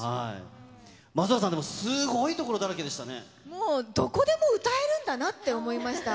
松岡さん、でもすごいとこばかりもう、どこでも歌えるんだなって思いました。